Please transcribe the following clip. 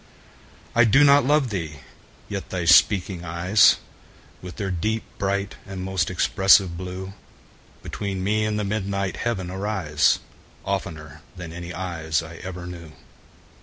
I do not love thee!—yet thy speaking eyes, With their deep, bright, and most expressive blue, Between me and the midnight heaven arise, 15 Oftener than any eyes I ever knew.